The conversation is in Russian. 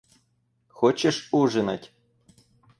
Хочешь ужинать?